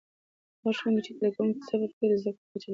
هغه ښوونکي چې زده کوونکو ته صبر کوي، د زده کړې کچه لوړېږي.